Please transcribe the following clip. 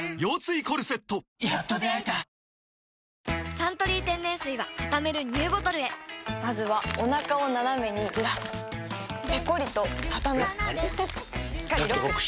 「サントリー天然水」はたためるＮＥＷボトルへまずはおなかをナナメにずらすペコリ！とたたむしっかりロック！